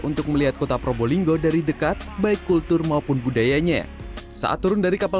untuk melihat kota probolinggo dari dekat baik kultur maupun budayanya saat turun dari kapal